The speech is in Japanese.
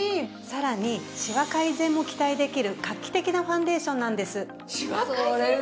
さらにシワ改善も期待できる画期的なファンデーションなんです。